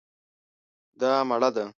دا مړه ده